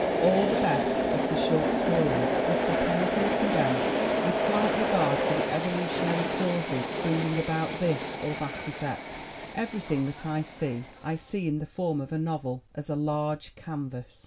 All the best of the short stories must be painfully condensed with slight regard for the evolutionary causes bringing about this or that effect. Everything that I see, I see in the form of a novel as a large canvas.